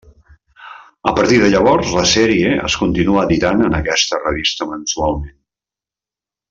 A partir de llavors la sèrie es continua editant en aquesta revista mensualment.